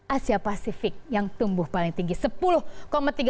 asia pasifik yang tumbuh paling tinggi